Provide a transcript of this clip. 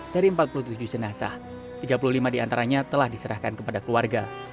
dari empat puluh tujuh jenazah tiga puluh lima diantaranya telah diserahkan kepada keluarga